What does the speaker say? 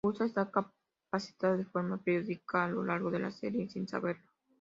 Usa esta capacidad de forma periódica a lo largo de la serie sin saberlo.